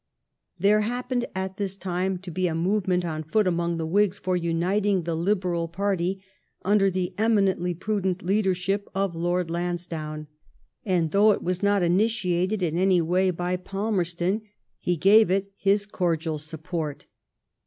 There happened at this time to be a movement on foot among the Whigs for uniting the Liberal party under the eminently prudent leadership of Lord Lans downe ; and though it was not initiated in any way by Palmerston^ he gave it his cordial support.